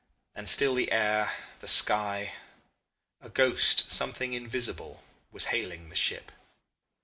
And still the air, the sky a ghost, something invisible was hailing the ship.